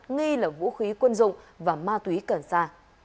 nghi là vũ khí quân dụng và ma túy cần xa